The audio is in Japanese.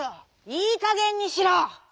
いいかげんにしろ！」。